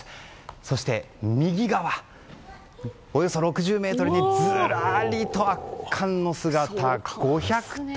そして、右側およそ６０ｍにずらりと圧巻の姿、５００体。